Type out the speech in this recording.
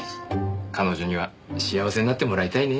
彼女には幸せになってもらいたいね。